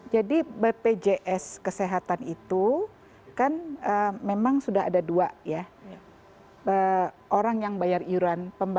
jadi bpjs kesehatan itu kan memang sudah ada dua ya